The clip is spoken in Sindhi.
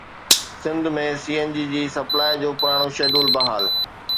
سنڌ ۾ سي اين جي سپلاءِ جو پراڻو شيڊول بحال